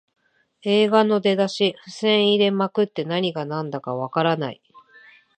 映画の出だし、伏線入れまくって何がなんだかわからない